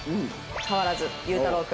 変わらず佑太郎君。